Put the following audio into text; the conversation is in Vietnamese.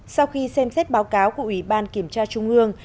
sau khi xem xét báo cáo của ủy ban kiểm tra trung ương